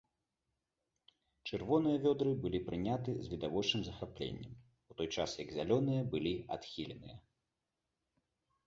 Чырвоныя вёдры былі прынятыя з відавочным захапленнем, у той час як зялёныя былі адхіленыя.